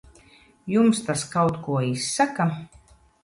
Jums tas kaut ko izsaka?